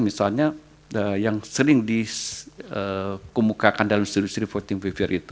misalnya yang sering dikemukakan dalam industri voting favoir itu